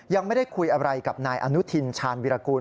ยังไม่ได้คุยอะไรกับนายอนุทินชาญวิรากูล